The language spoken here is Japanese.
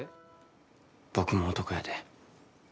僕も男やで。